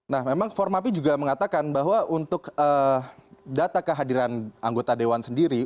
nah memang formapi juga mengatakan bahwa untuk data kehadiran anggota dewan sendiri